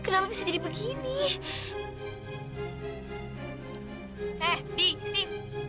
sampai jumpa lagi